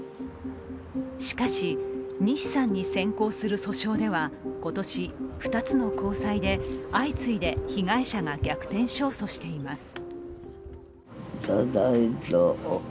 しかし、西さんに先行する訴訟では今年２つの高裁で相次いで被害者が逆転勝訴しています。